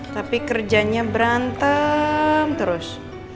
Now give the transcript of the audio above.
tapi kerjanya berantem terus